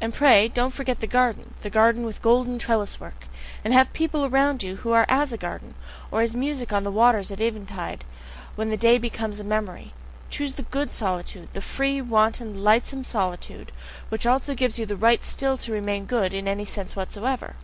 And pray, don't forget the garden, the garden with golden trellis work! And have people around you who are as a garden or as music on the waters at eventide, when already the day becomes a memory. Choose the GOOD solitude, the free, wanton, lightsome solitude, which also gives you the right still to remain good in any sense whatsoever!